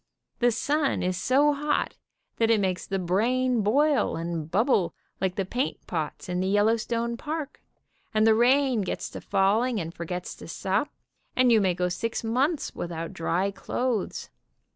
The sun is so hot that it makes the brain boil and bubble like the paint pots in the Yellowstone Park, and the rain gets to falling and forgets to stop, and you may go six months without dry clothes.